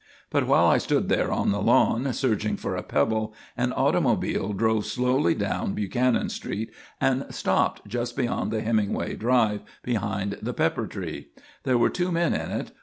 But while I stood there on the lawn, searching for a pebble, an automobile drove slowly down Buchanan Street and stopped just beyond the Hemingway drive behind the pepper tree. There were two men in it.